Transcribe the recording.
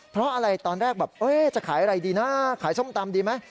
เพราะอะไรตอนแรกแบบจะขายอะไรดีนะขายส้มตำดีไหม